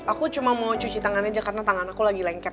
aku cuma mau cuci tangan aja karena tangan aku lagi lengket